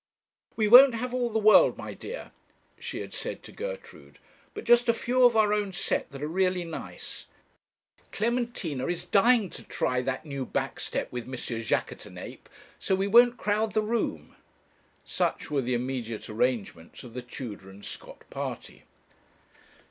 'We won't have all the world, my dear,' she had said to Gertrude, 'but just a few of our own set that are really nice. Clementina is dying to try that new back step with M. Jaquêtanàpe, so we won't crowd the room.' Such were the immediate arrangements of the Tudor and Scott party.